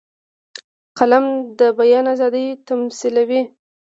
قلم د بیان آزادي تمثیلوي